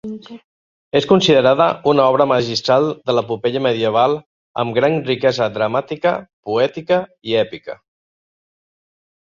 És considerada una obra magistral de l'epopeia medieval amb gran riquesa dramàtica, poètica i èpica.